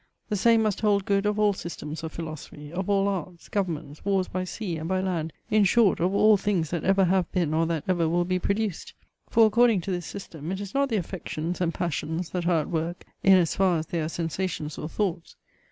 The same must hold good of all systems of philosophy; of all arts, governments, wars by sea and by land; in short, of all things that ever have been or that ever will be produced. For, according to this system, it is not the affections and passions that are at work, in as far as they are sensations or thoughts.